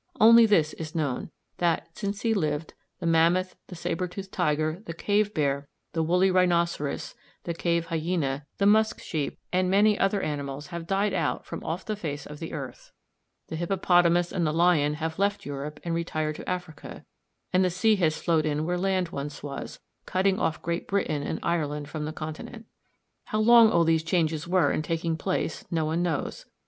Only this is known, that, since he lived, the mammoth, the sabre toothed tiger, the cave bear, the woolly rhinoceros, the cave hyæna, the musk sheep, and many other animals have died out from off the face of the earth; the hippopotamus and the lion have left Europe and retired to Africa, and the sea has flowed in where land once was, cutting off Great Britain and Ireland from the continent. How long all these changes were in taking place no one knows.